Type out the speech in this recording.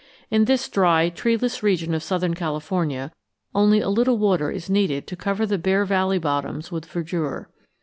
In this dry, treeless region of southern California only a little water is needed to cover the bare valley bottoms with verdure.